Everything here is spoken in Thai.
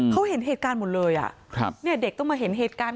เขาเห็นเหตุการณ์หมดเลยอ่ะครับเนี่ยเด็กต้องมาเห็นเหตุการณ์